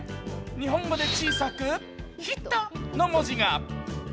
日本語で小さく「ヒット！！！」の文字が。